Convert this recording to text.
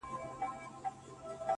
راڅخه زړه وړي رانه ساه وړي څوك.